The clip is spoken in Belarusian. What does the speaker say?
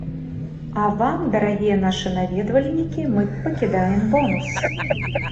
А вам, дарагія нашы наведвальнікі, мы пакідаем бонус!